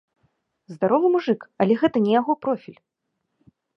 Здаровы мужык, але гэта не яго профіль!